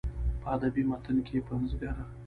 په ادبي متن کې پنځګر